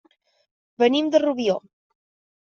Venim de Rubió.